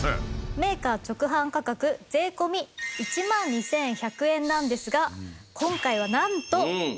メーカー直販価格税込１万２１００円なんですが今回はなんと。